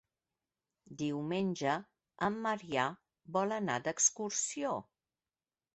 Diumenge en Maria vol anar d'excursió.